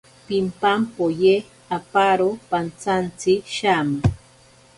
Pimpampoye aparo pantsantsi shama.